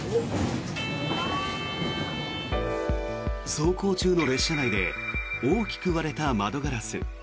走行中の列車内で大きく割れた窓ガラス。